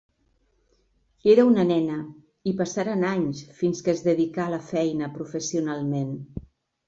Era una nena, i passaren anys fins que es dedicà a la feina professionalment.